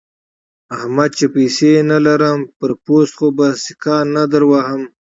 احمده! چې پيسې نه لرم؛ پر پوست خو به سکه نه دروهم.